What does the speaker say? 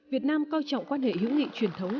việt nam coi trọng quan hệ hữu nghị truyền thống